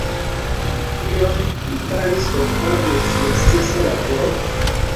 Tion li faris okaze de sia sesa laboro.